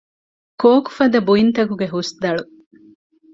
ކޯކުފަދަ ބުއިންތަކުގެ ހުސްދަޅު